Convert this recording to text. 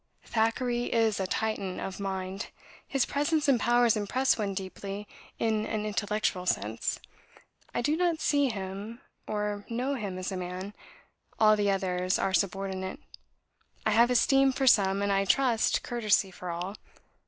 ... "Thackeray is a Titan of mind. His presence and powers impress one deeply in an intellectual sense; I do not see him or know him as a man. All the others are subordinate. I have esteem for some, and, I trust, courtesy for all.